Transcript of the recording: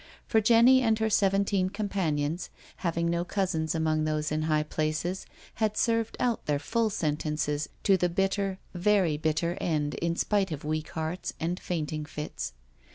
For Jenny and her seventeen companions, having no cousins among those in high places, had served out their full sentences to the bitter — very bitter end, in spite of weak hearts and fainting fits.